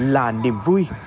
là niềm vui